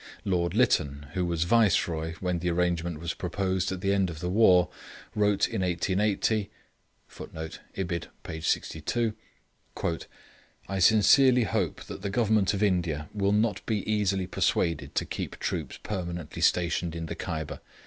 Lord Lytton, who was Viceroy when the arrangement was proposed at the end of the war, wrote in 1880 [Footnote: Ibid, page 62.] 'I sincerely hope that the Government of India will not be easily persuaded to keep troops permanently stationed in the Kyber.